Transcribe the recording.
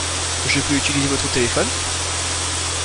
Je peux utiliser votre téléphone ?